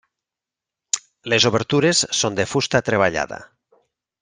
Les obertures són de fusta treballada.